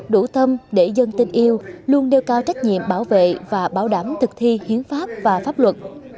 đủ tâm để dân tin yêu luôn đeo cao trách nhiệm bảo vệ và bảo đảm thực thi hiến pháp và pháp luật